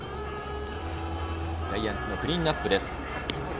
ジャイアンツのクリーンナップです。